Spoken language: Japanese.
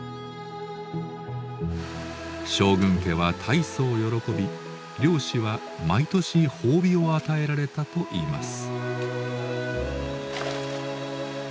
将軍家はたいそう喜び漁師は毎年褒美を与えられたといいます。